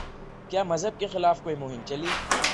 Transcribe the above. کیا مذہب کے خلاف کوئی مہم چلی؟